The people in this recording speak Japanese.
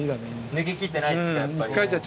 抜けきってないですかやっぱり。